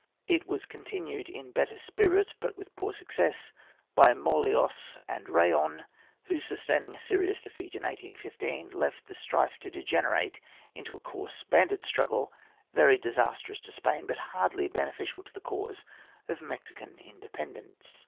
It was continued, in better spirit, but with poor success, by Morelos and Rayon, who, sustaining a serious defeat in 1815, left the strife to degenerate into a coarse bandit struggle, very disastrous to Spain, but hardly beneficial to the cause of Mexican independence.